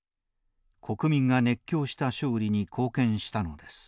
国民が熱狂した勝利に貢献したのです。